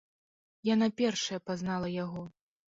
Яна першая пазнала яго.